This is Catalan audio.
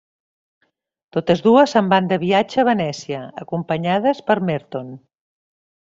Totes dues se'n van de viatge a Venècia, acompanyades per Merton.